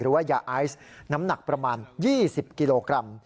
ว่ายาไอซ์น้ำหนักประมาณ๒๐กิโลกรัม